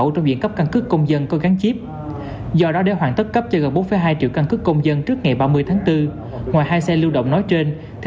trong diện cấp căn cức công dân kể cả thường trú và tạm trú